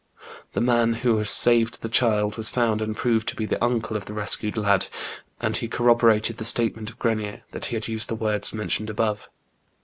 '' The man who saved the child was found, and proved to be the uncle of the rescued lad, and he corroborated the statement of Grenier, that he had used the words mentioned above.